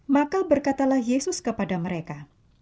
maka berkatalah yesus kepada mereka